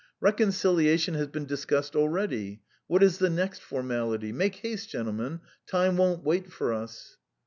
"Reconciliation has been discussed already. What is the next formality? Make haste, gentlemen, time won't wait for us."